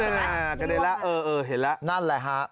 แต่ไม่มีบาร์ขึ้นนะฮะอันนี้อ่ะเห็นแล้วนั่นแหละฮะ